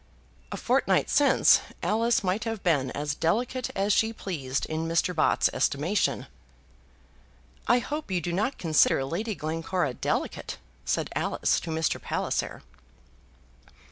A fortnight since Alice might have been as delicate as she pleased in Mr. Bott's estimation. "I hope you do not consider Lady Glencora delicate," said Alice to Mr. Palliser.